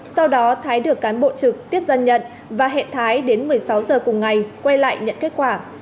sau đó thái được cán bộ trực tiếp dân nhận và hẹn thái đến một mươi sáu giờ cùng ngày quay lại nhận kết quả